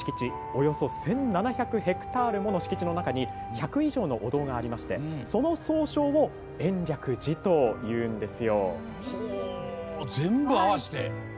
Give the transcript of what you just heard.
およそ１７００ヘクタールもの敷地の中に１００以上のお堂がありましてその総称を延暦寺というんですよ。